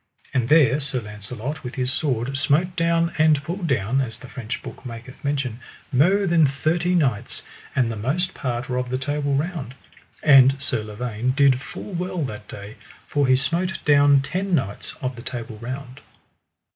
And there Sir Launcelot with his sword smote down and pulled down, as the French book maketh mention, mo than thirty knights, and the most part were of the Table Round; and Sir Lavaine did full well that day, for he smote down ten knights of the Table Round.